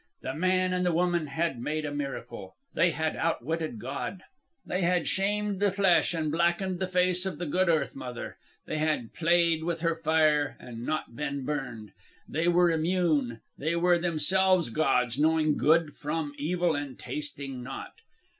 The man and the woman had made a miracle. They had outwitted God. They had shamed the flesh, and blackened the face of the good Earth Mother. They had played with her fire and not been burned. They were immune. They were themselves gods, knowing good from evil and tasting not.